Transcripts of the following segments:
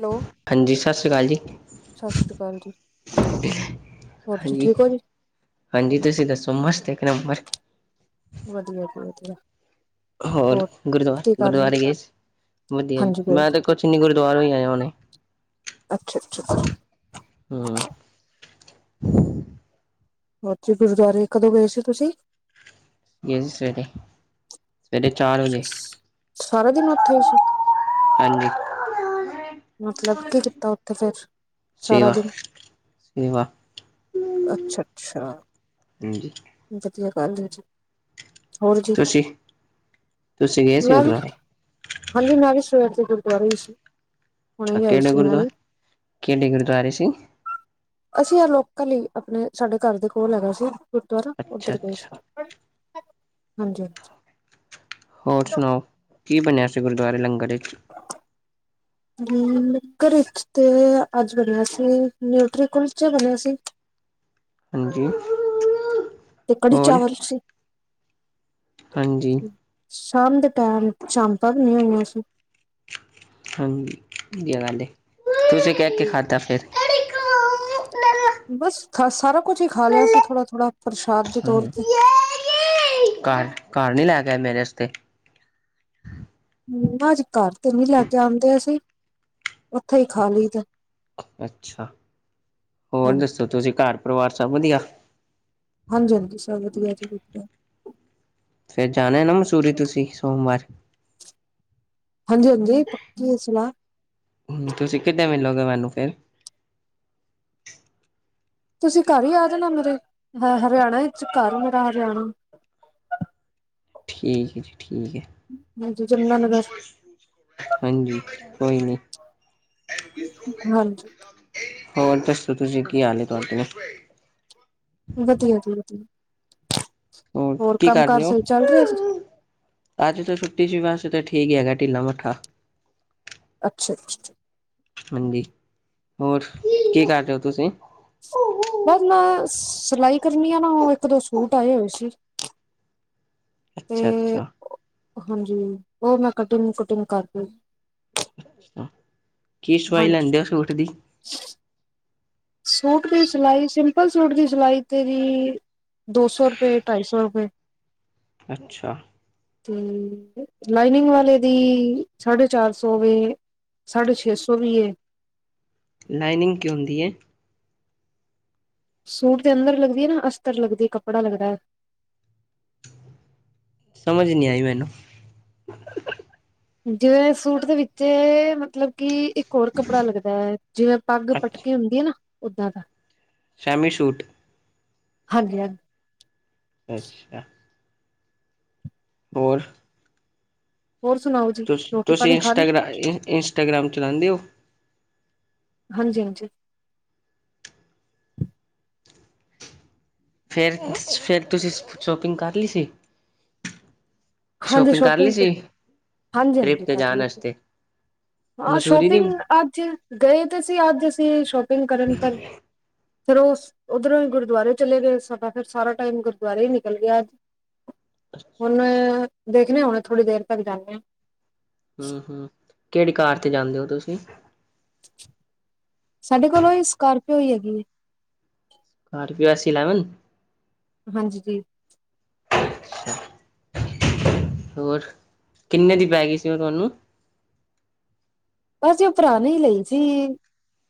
Hello ਹਾਂਜੀ ਸਤਿ ਸ੍ਰੀ ਅਕਾਲ ਜੀ। ਸਤਿ ਓਕੇ ਹਾਂਜੀ ਠੀਕ ਹੋ ਜੀ। ਹਾਂਜੀ ਤੁਸੀਂ ਦੱਸੋ ਮਸਤ ਇੱਕ ਨੰਬਰ। ਵਧੀਆ ਜੀ ਵਧੀਆ। ਹੋਰ ਕੀ ਕਰ ਰਹੇ ਗੁਰਦੁਆਰਾ-ਗੁਰਦੁਆਰੇ ਗਏ ਸੀ। ਵਧੀਆੀ ਜੀ, ਹਾਂਜੀ ਗਏ ਮੈਂ ਤਾਂਖ ਚੰਨੀ ਗੁਰਦੁਆਰੇ ਹੀ ਆਇਆ ਹੁਣੇ। ਅੱਛਾ-ਅੱਛਾ। ਹਮ। ਬੱਚੇ ਤੇ ਵਿਚਾਰੇ ਗੁਰਦੁਆਰੇ ਕਦੋਂ ਗਏ ਸੀ ਤੁਸੀਂ। ਇਹ ਸੀ ਸਵੇਰੇ। ਸਵੇਰੇ ਚਾਰ ਵਜੇ ਸਾਰਾ ਦੀ ਨਥਈ ਸੀ। ਹਾਂਜੀ। ਮਤਲਬ ਕੀ ਕੀਤਾ ਉੱਥੇ ਫੇਰ, ਸਾਰਾ ਦਿਨ। ਇਹ ਵ ਅੱਛਾ-ਅੱਛਾ। ਹਾਂਜੀ। ਵਧੀਆ ਗੱਲ ਹੈ ਜੀ। ਹੋਰ ਜੀ, ਤੁਸੀਂ ਤੁਸੀਂ ਗਏ ਸੀ ਮੈਂ ਵੀ ਗੁਰਦੁਆਰੇ ਹਾਂਜੀ ਮੈਂ ਵੀ ਸਵੇਰ ਦੀ ਗੁਰਦੁਆਰੇ ਸੀ। ਹੁਣੇ ਅੱਛਾ ਹੀ ਆਈ ਕਿਹੜੇ ਸੀ ਮੈਂ ਵੀ ਗੁਰਦੁਆਰੇ, ਕਿਹੜੇ ਗੁਰਦੁਆਰੇ ਸੀ? ਅਸੀਂ ਆ ਲੋਕਲ ਹੀ ਆਪਣੇ ਸਾਡੇ ਘਰ ਦੇ ਕੋਲ ਹੈਗਾ ਸੀ ਗੁਰਦੁਆਰਾ ਅੱਛਾ ਉੱਧਰ ਗਏ ਸੀ। ਅੱਛਾ ਹਾਂਜੀ-ਹਾਂਜੀ। ਹੋਰ ਸੁਣਾਓ, ਕੀ ਬਣਿਆ ਸੀ ਗੁਰਦੁਆਰੇ ਲੰਗਰ ਵਿੱਚ? [inaudible] ਹੂੰ, ਮੇ ਘਰੇ 'ਚ ਤੇ ਅੱਜ ਬਣਿਆ ਸੀ ਨਿਊਟਰੀ ਕੁਲਚਾ ਬਣਿਆ ਸੀ। ਹਾਂਜੀ। ਤੇ ਕੜੀ ਹੋਰ ਚਾਵਲ ਸੀ। ਹਾਂਜੀ। ਸ਼ਾਮ ਦੇ ਟਾਈਮ ਸ਼ਾਮ ਭਗ ਨਈ ਹੋਈਆਂ ਸੀਂ। ਹਾਂ ਮੂਲੀਆਂ ਵਾਲੇ ਤੁਸੀਂ ਕਹਿ ਕੇ ਖਾਧਾ ਫਿਰ? ਬਸ ਕ ਸਾਰਾ ਕੁਛ ਹੀ ਖਾ ਲਿਆ ਸੀ ਥੋੜਾ ਥੋੜਾ ਪ੍ਰਸ਼ਾਦ ਦੇ ਤੌਰ ਹੂੰ, ਤੇ। ਘਰ ਘਰ ਨਹੀਂ ਲੈ ਕੇ ਆਏ ਮੇਰੇ ਅਸਤੇ ਨਾ ਜੀ, ਘਰ ਤੇ ਨੀ ਲੈ ਕੇ ਆਦੇ ਆਸੀਂ ਉਥੇ ਈ ਖਾ ਲਈਦਾ। ਅੱਛਾ, ਹੋਰ ਹਾਂਜੀ। ਦੱਸੋ ਤੁਸੀਂ ਘਰ ਪਰਿਵਾਰ ਸਭ ਵਧੀਆ। ਹਾਂਜੀ -ਹਾਂਜੀ ਸਬ ਵਧੀਆ ਜੀ ਵਧੀਆ। ਫੇਰ ਜਾਣਾ ਨਾ ਮਸੂਰੀ ਤੁਸੀਂ ਸੋਮਵਾਰ? ਹਾਂਜੀ ਹਾਂਜੀ, ਪੱਕੇ ਆ ਸਲਾਹ ਹੁਨ ਤੁਸੀਂ ਕਿੱਦੇ ਮਿਲੋਗੇ ਮੈਨੂੰ ਫੇਰ? ਤੁਸੀਂ ਘਰ ਹੀ ਆ ਜਾਣਾ ਮੇਰੇ, ਹੇ ਹਰਿਆਣਾ ਵਿੱਚ ਘਰ ਮੇਰਾ ਹਰਿਆਣਾ ਠੀਕ ਜੀ, ਠੀਕ ਐ। ਹਾਂਜੀ ਜਮੁਨਾਾਨਗਰ ਹਾਂਜੀ ਕੋਈ ਨਈ। ਹਾਂਜੀ। ਹੋਰ ਦੱਸੋ ਤੁਸੀਂ ਕੀ ਹਾਲ ਏ ਤੁਹਾਡੇ? ਵਧੀਆ ਜੀ ਵਧੀਆ। ਹੋਰ ਕੀ ਕੰਮ ਕਰ ਕਾਰ ਰੇ ਓ? ਸਹੀ ਚੱਲ ਰਿਹਾ ਜੀ ਅੱਜ ਤੇ ਛੁੱਟੀ ਸੀ ਵੈਸੈ ਤੇ ਠੀਕ ਈ ਹੈਗਾ ਢਿੱਲਾ ਮੱਠਾ। ਅੱਛਾ ਅੱਛਾ ਅੱਛਾ। ਹਾਂਜੀ, ਹੋਰ ਕੀ ਕਰਦੇ ਓ ਤੁਸੀਂ? ਬਸ ਮੈਂ ਸਿਲਾਈ ਕਰਨੀ ਆ ਨਾ, ਓ ਇੱਕ ਦੋ ਸੂਟ ਆਏ ਹੋਏ ਸੀ। ਤੇ ਅੱਛਾ- ਅੱਛਾ। ਹਾਂਜੀ, ਉਹ ਮੈਂ ਕਟਿੰਗ-ਕੁਟਿੰਗ ਕਰਕੇ ਅਛਾ, ਕੀ ਸਵਾਈ ਹਾਂਜੀ ਲੈਂਦੇ ਆ ਸੂਟ ਦੀ? [inaudible] ਸੂਟ ਦੀ ਸਿਲਾਈ, ਸਿੰਪਲ ਸੂਟ ਦੀ ਸਿਲਾਈ ਤੇ ਜੀ ਦੋ ਸੌ ਰੁਪਏ, ਢਾਈ ਸੌ ਰੁਪਏ। ਅੱਛਾ। ਤੇ ਲਾਈਨਿੰਗ ਵਾਲੇ ਦੀ ਸਾਢੇ ਚਾਰ ਸੌ ਵੇ। ਸਾਢੇ ਛੇ ਸੌ ਵੀ ਏ। ਲਾਈਨਿੰਗ ਕੀ ਹੁੰਦੀ ਐ। ਸੂਟ ਦੇ ਅੰਦਰ ਲੱਗਦੀ ਐ ਨਾ ਅਸਤਰ ਲੱਗਦੀ ਕੱਪੜਾ ਲੱਗਦਾ। ਸਮਝ ਨੀ ਆਈ ਮੈਨੂੰ। ਜਿਵੇਂ ਸੂਟ ਦੇ ਵਿੱਚੇ ਮਤਲਬ ਕਿ ਹੋਰ ਕੱਪੜਾ ਲੱਗਦਾ ਐ, ਜਿਵੇਂ ਪੱਗ ਅੱਛਾ ਪਟਕੇ ਹੁੰਦੀ ਆ ਨਾ ਓਦਾਂ ਦਾ ਸੈਮੀ ਸੂਟ ਹਾਂਜੀ-ਹਾਂ ਅੱਛਾ। ਹੋਰ? ਹੋਰ ਸੁਣਾਉ। ਤੁ ਤੁਸੀ ਇੰਸਟਾ ਇੰਸਟਾਗ੍ਰਾਮ ਚਲਉਦੇ ਹੋ? ਹਾਂਜੀ-ਹਾਂਜੀ। ਫੇਰ-ਫੇਰ ਤੁਸੀਂ ਸ਼ੋਪਿੰਗ ਕਰ ਲਈ ਸੀ? ਹਾਂਜੀ, ਕਰ ਲਈ ਸ਼ੋਪਿੰਗ ਤੇ ਸੀ ਟ੍ਰਿਪ ਹਾਂਜੀ-ਹਾਂਜੀ ਤੇ ਕਰ ਜਾਣ ਲੀ ਸੀ। ਵਾਸਤੇ ਹਾਂ ਮਸੂਰੀ ਦੀ ਸ਼ੋਪਿੰਗ ਅੱਜ ਗਏ ਤੇ ਸੀ। ਅੱਜ ਅਸੀ ਸ਼ੋਪਿੰਗ ਕਰਨ ਪਰ ਫੇਰ ਓ ਉੱਧਰੋਂ ਹੀ ਗੁਰਦੁਆਰੇ ਚਲੇ ਗਏ। ਸਾਡਾ ਫਿਰ ਸਾਰਾ ਟਾਈਮ ਗੁਰਦੁਆਰੇ ਹੀ ਨਿਕਲ ਗਿਆ। ਅੱਜ ਓ। ਹੁਣ ਦੇਖਣੇ ਹੁਣੇ ਥੋੜ੍ਹੀ ਦੇਰ ਤੱਕ ਜਾਣੇ ਆ। ਹੂੰ ਹੂੰ ਕਿਹੜੀ ਕਾਰ ਤੇ ਜਾਂਦੇ ਹੋ ਤੁਸੀਂ? ਸਾਡੇ ਕੋਲ ਓਹੀ ਸਕੋਰਪੀਓ ਹੀ ਹੈਗੀ ਏ ਸਕੋਰਪੀਓ ਐਸ ਇਲੈਵਨ ਹਾਂਜੀ ਜੀ। ਹੋਰ ਕਿੰਨੇ ਦੀ ਪੈ ਗਈ ਸੀ। ਓ ਤੁਹਾਨੂੰ ਬਸ ਜੀ ਓ ਪੁਰਾਨੀ ਲਈ ਜੀ।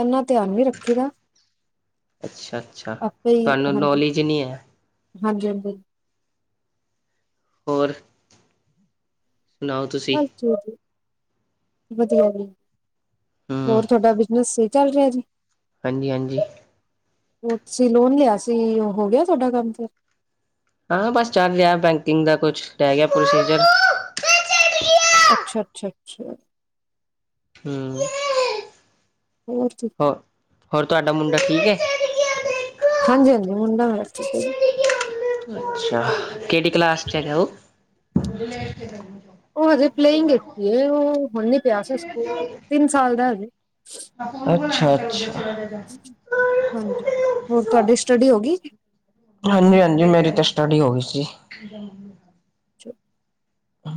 ਇਨਾ ਧਿਆਨ ਨੀ ਰੱਖੀ ਦਾ। ਅੱਛਾ-ਅੱਛਾ ਤੁਹਾਨੂੰ ਨੌਲੇਜ ਨਈ ਐ। ਹਾਂਜੀ-ਹਾਂਜੀ। ਹੋਰ। ਸੁਣਾਓ ਤੁਸੀਂ ਹਾਜੀ ਜੀ ਵਧੀਆ ਜੀ। ਹੂੰ ਹੋਰ ਤੁਹਾਡਾ ਬਿਜਨਸ ਸਈ ਚਲ ਰਿਹਾ ਜੀ। ਹਾਂਜੀ-ਹਾਂਜੀ। ਓ ਤੁਸੀਂ ਲੋਨ ਲਿਆ ਸੀ। ਓ ਹੋ ਗਿਆ ਤੁਹਾਡਾ ਕੰਮ ਫਿਰ ਹਾਂ ਬਸ ਚੱਲ ਰਿਹਾ ਬੈਂਕਿੰਗ ਦਾ ਕੁਛ ਰਹਿ ਗਿਆ ਪ੍ਰੋਸੀਜਰ। ਅੱਛਾ-ਅੱਛਾ, ਅੱਛਾ। ਹੂੰ। ਹੋਰ। ਹੋ ਹੋਰ ਤੁਹਾਡਾ ਮੁੰਡਾ ਠੀਕ ਆ। ਹਾਂਜੀ-ਹਾਂਜੀ ਮੁੰਡਾ ਮੇਰਾ, ਠੀਕ ਆ ਅੱਛਾ, ਕਿਹੜੀ ਕਲਾਸ 'ਚ ਹੈਗਾ ਓ। ਓ ਹਜੇ ਪਲੇਇੰਗੀ ਵਿੱਚ ਹੀ ਓ ਹੁਣੀ ਪਿਆ ਸੀ। ਸਕੂਲ ਤਿੰਨ ਸਾਲ ਦਾ ਹਜੇ ਅੱਛਾ-ਅੱਛਾ। ਹਾਂਜੀ ਹੋਰ ਤੁਹਾਡੀ ਸਟਡੀ ਹੋ ਗਈ? ਹਾਂਜੀ ਹਾਂਜੀ ਮੇਰੀ ਤੇ ਸਟੱਡੀ ਹੋ ਗਈ ਸੀ ਹੂੰ। ਚੋ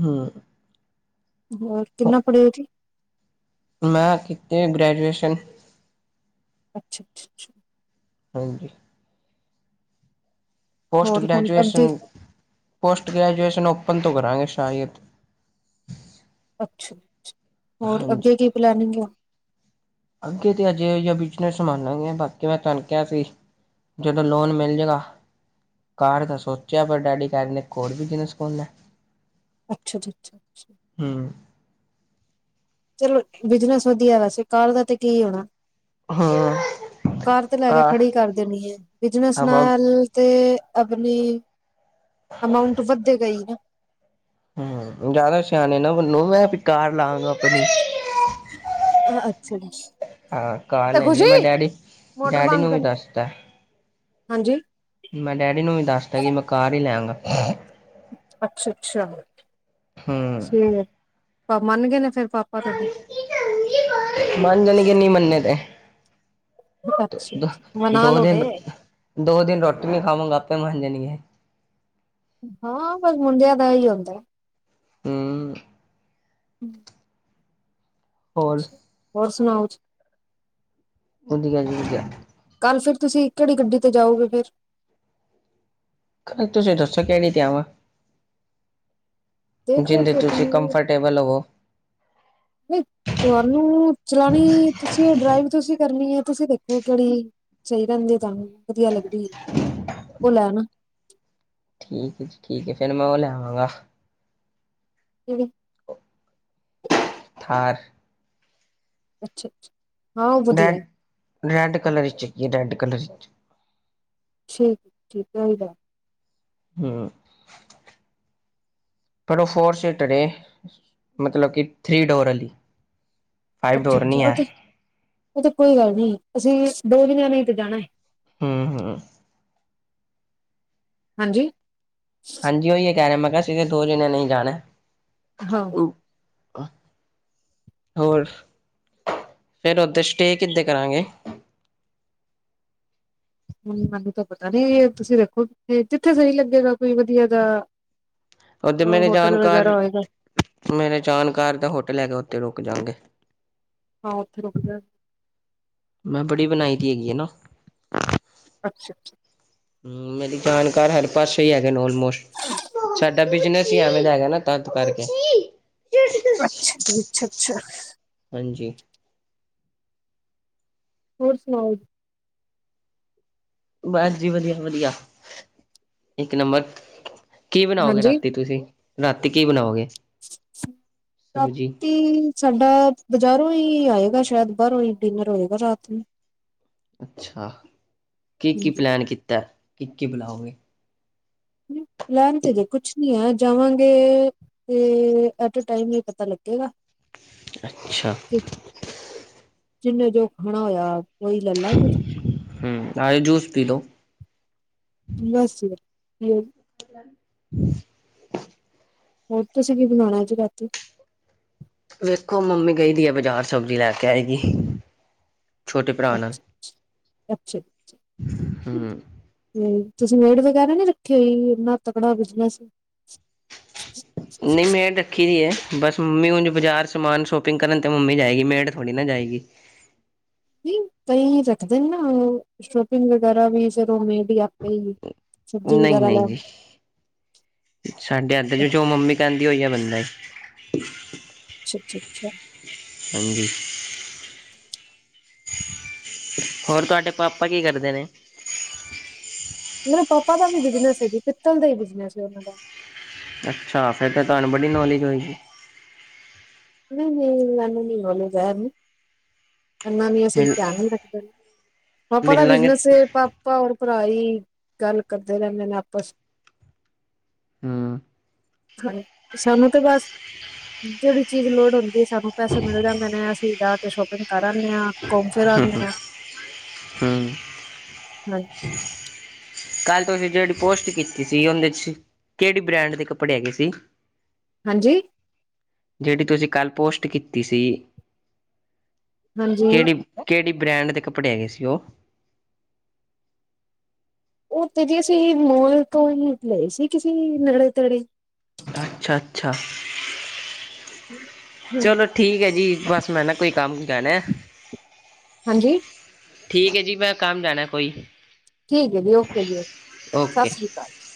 ਹੂੰ। ਹੋਰ ਕਿੰਨਾ ਪੜੇ ਹੋ ਜੀ? ਮੈਂ ਕੀਤੀ ਆ ਜੀ ਗ੍ਰੈਜੂਏਸ਼ਨ ਅੱਛਾ ਅੱਛਾ ਅੱਛਾ। ਹਾਂਜੀ। ਪੋਸਟ ਹੋਰ ਹੁਣ ਗ੍ਰੈਜੂਏਸ਼ਨ ਅੱਗੇ ਪੋਸਟ ਗ੍ਰੈਜੂਏਸ਼ਨ ਓਪਨ ਤੋਂ ਕਰਾਂਗੇ ਸ਼ਾਇਦ ਅੱਛਾ ਅੱਛਾ ਹੋਰ ਹਾਂਜੀ ਅੱਗੇ ਕੀ ਪਲੈਨਿੰਗ ਆ? ਅੱਗੇ ਤੇ ਹਜੇ ਜਾਂ ਬਿਜਨਸ ਸਮਾਨਾਂਗੇ ਬਾਕੀ ਮੈਂ ਤੁਹਾਨੂੰ ਕਿਹਾ ਸੀ ਜਦੋਂ ਲੋਨ ਮਿਲ ਜੇਗਾ। ਕਾਰ ਦਾ ਸੋਚਿਆ ਪਰ ਡੈਡੀ ਕਹਿੰਦੇ ਇੱਕ ਹੋਰ ਬਿਜ਼ਨਸ ਖੋਲ ਲਾ। ਅੱਛਾ, ਅੱਛਾ, ਛਾ। ਹੁੰ। ਚਲੋ ਜੀ, ਬਿਜਨਸ ਵਧੀਆ ਵੈਸੇ ਕਾਰ ਦਾ ਤੇ ਕੀ ਹੋਣਾ? ਹਮ ਕਾਰ ਤੇ ਲੈਕੇ ਖੜੀ ਕਰ ਦੇਣੀ ਏ, ਬਿਜਨਸ ਹਵਾ ਨਾਲ ਤੇ ਅਗਲੀ, ਅਮਾਊਂਟ ਵੱਧੇ ਗਾਈ ਨਾ। ਹੁੰ, ਜਾਦਾ ਸਿਆਣੇ ਨਾ ਬਣੋ, ਮੈਂ ਵੀ ਕਾਰ ਲਾਗਾਂ ਅਪਨੀ ਅ ਅੱਛਾ ਜੀ। ਆਹ ਕਾਰ ਤੇ ਲੈਂਨੀ ਏ ਮੈਂ ਖੁਸ਼ੀ ਡੈਡੀ ਮੋਟਰ ਡੈਡੀ ਬੰਦ ਨੂੰ ਵੀ ਕਰੀ ਦੱਸਤੈ। ਹਾਂਜੀ। ਮੈਂ ਡੈਡੀ ਨੂੰ ਵੀ ਦੱਸਤੈ ਕਿ ਮੈਂ ਕਾਰ ਈ ਲੈਗਾਂ। ਅੱਛਾ-ਅੱਛਾ, ਹਮ ਠੀਕੇ, ਮੰਨ ਗਏ ਨੇ ਫੇਰ ਪਾਪਾ ਤੂਆਡੇ? ਮੰਨ ਜਾਣ ਗੇ, ਨਈਂ ਮੰਨੇ ਤੇ। ਮਨਾ ਦੋ ਲੋਗੇ ਦੇਨ ਦੋ ਦੇਨ ਰੋਟੀ ਨੀ ਖਾਵਾਂਗੇ, ਆਪੇ ਮੰਨ ਜਾਣ ਗੇ। ਹਾਂ, ਬਸ ਮੁੰਡਿਆਂ ਦਾ ਐਈ ਹੁੰਦਾ। ਹੁੰ। [inaudible] ਹੋਰ ਹੋਰ ਸੁਨਾਓ। ਵਧੀਆ ਜੀ ਵਧੀਆ। ਕੱਲ ਫੇਰ ਤੁਸੀਂ ਕੇੜੀ ਗੱਡੀ ਤੇ ਜਾਓਗੇ ਫੇਰ? ਤੁਸੀਂ ਦੱਸੋ ਕੇੜੀ ਤੇ ਆਂਵਾਂ? ਜਿੰਦੇ ਚ ਤੁਸੀਂ ਕਮਫਰਟੇਬਲ ਹੋੋਵੋ। [inaudible] ਤੂਆਨੂੰ ਚਲਾਨੀ, ਤੁਸੀਂ ਡਰਾਈਵ ਤੁਸੀਂ ਕਰਨੀ ਏ, ਤੁਸੀਂ ਦੇਖੋ ਕੇੜੀ ਸਈ ਰੈਂਦੇ ਤੁਾਨੂੰ ਵਧੀਆ ਲੱਗਦੀ ਓ ਲੈਨਾ। ਠੀਕ ਐ ਜੀ, ਠੀਕ ਐ ਫੇਰ ਮੈਂ ਓ ਲੀਆਵਾਂਗਾ। [inaudible] ਥਾਰ। ਅੱਛਾ। ਹਾਂ ਉਹ ਰੈਡ ਵਧੀਆ ਰੈਡ ਕਲਰ ਚ ਹੈਗੀ ਏ, ਰੈਡ ਕਲਰ ਚ। ਠੀਕ, ਠੀਕ ਐ ਓਇ ਲੈ। ਹੁੰ, ਪਰ ਓ ਫੋਰ ਸੀਟਰ ਏ। ਮਤਲਬ ਕਿ ਥ੍ਰਰੀ ਡੋਰ ਆਲੀ। ਅੱਛਾ-ਅੱਛਾ, ਓ ਤੇ ਓ ਤੇ ਕੋਈ ਗੱਲ ਨੀ ਤੂੰਸੀਂ ਦੋ ਜਨਿਆਂ ਨੇ ਤੇ ਜਾਨੈ। ਹੁੰ, ਹੁੰ। ਹਾਂਜੀ ਹੰਜੀ, ਓਈਓ ਕੈ ਰੇਯਾ, ਮੈਂ ਕੇਯਾ ਅਸੀ ਤੇ ਦੋ ਜਣੇਆਂ ਈ ਜਾਨੈ। ਹਾਂ ਹੋਰ ਫੇਰ, ਓਥੇ ਸਟੇ ਕਿੱਥੇ ਕਰਾਂਗੇ? ਹ ਮੈਨੂੰ ਤਾਂ ਪਤਾ ਨੀ, ਤੁਸੀਂ ਦੇਖੋ ਜਿਥੇ ਸਈ ਲੱਗੇਗਾ ਕੋਈ ਵਧੀਆ ਜਾ ਓਦੇ ਮੇਰੇ ਜਾਨਕਾਰ ਹੋਏਗਾ ਮੇਰੇ ਜਾਨਕਾਰ ਦਾ ਹੋਟਲ ਹੈਗਾ ਓਥੇ ਰੁਕ ਜਾਂਗੇ। ਹਾਂ, ਓਥੇ ਰੋਕ ਜਾਂਗੇ। ਮੈਂ ਬੜੀ ਬਣਾਈ ਦੀ ਹੈਗੀ ਏਨਾ। ਅੱਛਾ-ਅੱਛਾ। ਹੁੰ, ਮੇਰੀ ਜਾਣਕਾਰ ਹਰ ਪਾਸੇ ਈ ਹੈਗੇ ਨੇ ਓਲਮੋਸਟ। ਐ ਬਿਜਨਸ ਈ ਐਵੇਂ ਦਾ ਹੈਗਾ ਨਾ, ਤੱਦ ਕਾਰਕੇ। ਅੱਛਾ ਜੀ, ਅੱਛਾ-ਅੱਛਾ। ਹਾਂਜੀ। ਹੋਰ ਸੁਣਾਓ? ਬਸ ਜੀ ਵਧੀਆ- ਵਧੀਆ ਇੱਕ ਨੰਬਰ। ਕੀ ਬਣਾਓਗੇ ਹਾਂਜੀ ਰਾਤੀ ਤੁਸੀਂ, ਰਾਤੀ ਕੀ ਬਣਾਓਗੇ? ਸਬਜ਼ੀ ਰਾਤੀ। ਸਾਡਾ ਬਜ਼ਾਰੋਂ ਹੀ ਆਏਗਾ ਸ਼ਾਇਦ ਬਾਹਰੋਂ ਹੀ ਡਿਨਰ ਹੋਏਗਾ ਰਾਤ ਨੂੰ। ਅੱਛਾ ਕੀ- ਕੀ ਹਾਂਜੀ ਪਲੈਨ ਕੀਤਾ ਕੀ- ਕੀ ਬੁਲਾਓਗੇ। ਪਲੈਣ ਤੇ ਹਜੇ ਕੁਛ ਨੀ ਹੈ ਜਾਵਾਂਗੇ, ਤੇ ਐਟੇ ਟਾਈਮ ਇ ਪਤਾ ਲੱਗੇਗਾ। ਅੱਛਾ। ਕੀ ਜਿੰਨੇ ਜੋ ਖਣਾ ਹੋਇਆ। ਉਹੀ ਲੈ ਲਾਂਗੇ ਹੁੰ ਆਏ ਜੂਸ ਪੀ ਦੋ। ਬਸ ਜੀ ਬ ਪੀਓ ਜੀ। [unintelligible] ਹੋਰ ਤੁਸੀਂ ਕੀ ਬਣਾਉਣਾ ਅਜ ਰਾਤੀ? ਵੇਖੋ ਮੰਮੀ ਗਈ ਦੀ ਆ ਬਜ਼ਾਰ ਸਬਜ਼ੀ ਲੈ ਕੇ ਆਏਗੀ। ਛੋਟੇ ਭਰਾ ਨਾਲ, ਅੱਛਾ ਹੂੰ। ਹੂੰ ਤੁਸੀਂ ਮੇਡ ਵਗੈਰਾ ਨੀ ਰੱਖੀ ਹੋਈ ਇਨਾ ਤਕੜਾ ਬਿਜਨਸ ਏ। ਨਹੀ ਮੇਡ- ਰੱਖੀ ਦੀ ਹੈ ਬਸ ਮੰਮੀ ਹੁਨ ਬਾਜ਼ਾਰ ਸਮਾਨ ਸ਼ੋਪਿੰਗ ਕਰਨ ਤੇ ਮੰਮੀ ਜਾਏਗੀ ਮੇਡ ਥੋੜੀ ਨਾ ਜਾਏਗੀ। ਨਹੀਂ ਕਈ ਰੱਖਦੇ ਨੇ ਨਾ ਸ਼ੋਪਿੰਗ ਵਗੈਰਾ ਵੀ ਫੇਰ ਓ ਮੇਡ ਆਪੇ ਹੀ। ਸਬਜ਼ੀ ਨਹੀਂ- ਵਗੈਰਾ ਨਹੀਂ ਲੈਣ ਜੀ ਸਾਡੇ ਅੱਧ ਜੋ ਮੰਮੀ ਕਹਿੰਦੀ ਔ ਈ ਓ ਬੰਦਾ ਐ। [unintelligible] ਅੱਛਾ ਅੱਾ ਅੱਛਾ। ਹਾਂਜੀ, ਹੋਰ ਤੁਹਾਡੇ ਪਾ- ਪਾਂ ਕੀ ਕਰਦੇ ਨੇ? ਮੇਰੇ ਪਾਪਾ ਦਾ ਵੀ ਬਿਜਨਸ ਹੈ ਜੀ ਪਿੱਤਲ ਦਾ ਈ ਬਿਜਨਸ ਏ ਉਹਨਾਂ ਦਾ। ਅੱਛਾ ਫੇਰ ਤਾਂ ਤੁਹਾਨੂੰ ਬੜੀ ਨੌਲੇਜ ਹੋਏਗੀ। ਨਹੀਂ- ਨਹੀਂ ਐਨੀ ਨਹੀਂ ਨੌਲੇਜ ਐ ਜੀ। ਏਨਾ ਨਹੀਂ ਅਸੀਂ ਮਿਲ ਧਿਆਨ ਨੀ ਰਖਦੇ, ਪਾਪ ਦਾ ਮਿਲਾਂਗੇ ਬਿਜਨਸ ਹੈ ਪਾ- ਪਾਪਾ ਹੋਰ ਭਰਾ ਹੀ ਗੱਲ ਕਰਦੇ ਰਹਿੰਦੇ ਨੇ ਆਪਸ। ਹੂੰ ਹਾਂ ਸਾਨੂੰ ਤੇ ਬਸ ਜਿਹੜੀ, ਚੀਜ਼ ਲੋੜ ਹੁੰਦੀ, ਸਾਨੂੰ ਪੈਸੇ ਮਿਲ ਜਾਂਦੇ ਨੇ ਅਸੀਂ ਜਾ ਕੇ ਸ਼ੋਪਿੰਗ ਕਰ ਆਦੇ ਹਾਂ। ਘੂਮ ਫਿਰ ਆਉਂਦੇ ਆ, ਹੂੰ ਹੈਲੋ। ਕੱਲ ਤੁਸੀਂ ਜਿਹੜੀ ਪੋਸਟ ਕੀਤੀ ਸੀ ਉਹਦੇ 'ਚ ਕਿਹੜੀ ਬ੍ਰਾਂਡ ਦੇ ਕੱਪੜੇ ਹੈਗੇ ਸੀ। ਹਾਂਜੀ? ਜਿਹੜੀ ਤੁਸੀਂ ਕੱਲ ਪੋਸਟ ਕੀਤੀ ਸੀ, ਹਾਂਜੀ ਕਿਹੜੀ- ਕਿਹੜੀ ਬ੍ਰੈਂਡ ਦੇ ਕੱਪੜੇ ਹੈਗੇ ਸੀ ਉਹ? ਉਹ ਤੇ ਜੀ ਅਸੀਂ ਮੋਲ ਤੋਂ ਹੀ ਲਏ ਸੀ ਕਿਸੇ ਨੇੜੇ- ਤੇੜੇ। ਅੱਛਾ- ਅੱਛਾ ਚਲੋ- ਠੀਕ ਐ ਜੀ ਬਸ ਮੈਂ ਨਾ ਕੋਈ ਕੰਮ ਜਾਨਾ ਐ। ਹਾਂਜੀ? ਠੀਕ ਏ ਜੀ, ਮੈਂ ਕਾੰਮ ਜਾਣਾ ਏ ਕੋਈ। ਠੀਕ ਏ ਜੀ, ਓਕੇ ਜੀ ਓਕੇ, ਓਕੇ ਸਾਸ਼੍ਰੀ ਕਾਲ ਜੀ।